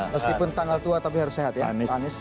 meskipun tanggal tua tapi harus sehat ya pak anies